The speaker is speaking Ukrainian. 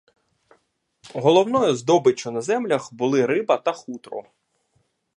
Головною здобиччю на землях були риба та хутро.